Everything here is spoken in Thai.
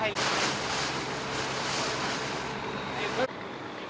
สวัสดีครับคุณผู้ชาย